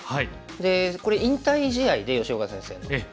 でこれ引退試合で吉岡先生の。